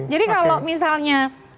jadi kalau misalnya